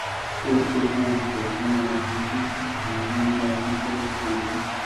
Este último propone a los ministros y los nombra junto al presidente.